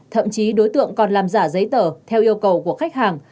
thậm chí đối tượng còn làm giả giấy tờ theo yêu cầu của khách hàng